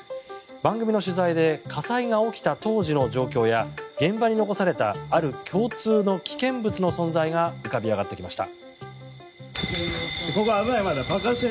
番組の取材で火災が起きた当時の状況や現場に残されたある共通の危険物の存在が浮かび上がってきました。